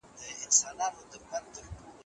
دوی خپل احساس جین خپلو ماشومانو ته لېږدوي.